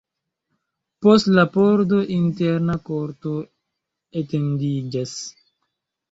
Post la pordo interna korto etendiĝas.